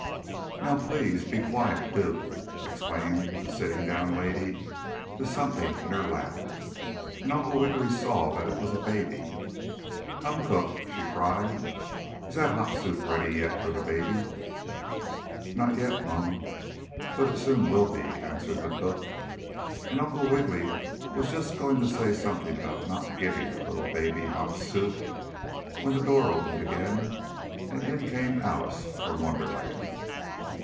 "Now please be quiet do!" exclaimed the sitting down lady to something in her lap, and Uncle Wiggily saw that it was a baby. "Come, cook!" she cried. "Is that hot soup ready yet for the baby?" "Not yet, mum. But it soon will be," answered the cook, and Uncle Wiggily was just going to say something about not giving a little baby hot soup, when the door opened again, and in came Alice from Wonderland.